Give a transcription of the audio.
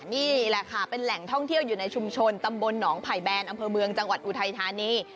นี่แหละค่ะเป็นแหล่งท่องเที่ยวอยู่ในชุมชนตำบลหนองไผ่แบนอำเภอเมืองจังหวัดอุทัยธานี